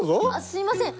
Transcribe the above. すいません！